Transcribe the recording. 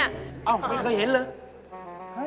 ไม่เคยเห็นเลย